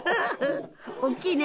大きいね！